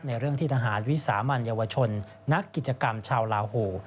เรื่องที่ทหารวิสามันเยาวชนนักกิจกรรมชาวลาหู